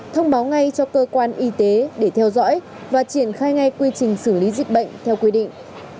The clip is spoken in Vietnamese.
thông báo ngay cho cơ quan y tế để theo dõi và triển khai ngay quy trình xử lý dịch bệnh theo quy định